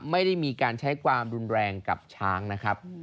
ไม่ได้มีการใช้ความรุนแรงกับช้างนะครับ